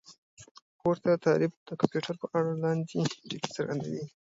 پورتنی تعريف د کمپيوټر په اړه لاندې ټکي څرګندوي